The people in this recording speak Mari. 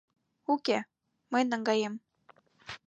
— Уке, мый наҥгаем...